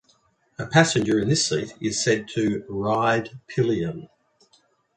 A passenger in this seat is said to "ride pillion".